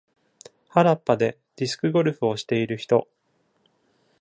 原っぱでディスクゴルフをしている人。